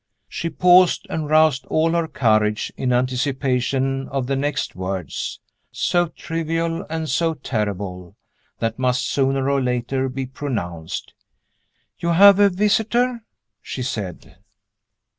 She paused, and roused all her courage, in anticipation of the next words so trivial and so terrible that must, sooner or later, be pronounced. "You have a visitor?" she said.